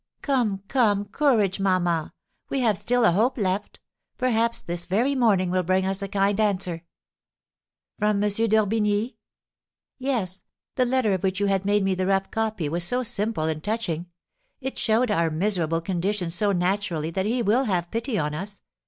"Come, come, courage, mamma; we have still a hope left. Perhaps this very morning will bring us a kind answer." "From M. d'Orbigny?" "Yes; the letter of which you had made the rough copy was so simple and touching. It showed our miserable condition so naturally that he will have pity on us.